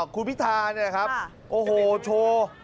คุณพิทานี่นะครับโอโฮโช